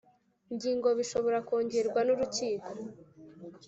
ngingo bishobora kongerwa n urukiko